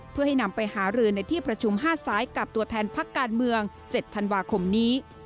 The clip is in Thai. เพื่อให้นำไปหารือในที่ประชุม๕สายกับตัวแทนพักการเมือง๗ธันวาคมนี้